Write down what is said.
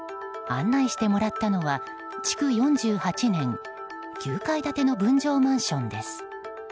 案内してもらったのは築４８年、９階建ての分譲マンションです。